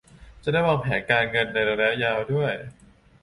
จะได้วางแผนการเงินในระยะยาวด้วย